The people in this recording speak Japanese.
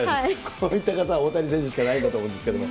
こういった方は大谷選手しかないと思いますけど。